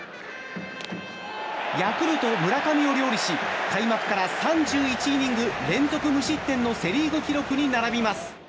ヤクルト村上を料理し、開幕から３１イニング連続無失点のセ・リーグ記録に並びます。